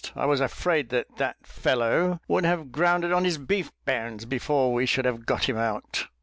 I was afraid that that fellow would have grounded on his beef bones before we should have got him out!"